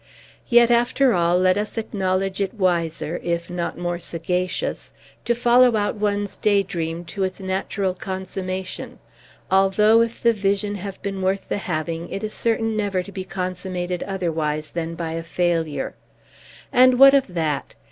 Yet, after all, let us acknowledge it wiser, if not more sagacious, to follow out one's daydream to its natural consummation, although, if the vision have been worth the having, it is certain never to be consummated otherwise than by a failure. And what of that?